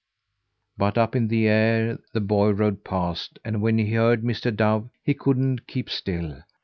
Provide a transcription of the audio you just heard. But up in the air the boy rode past, and when he heard Mr. Dove he couldn't keep still.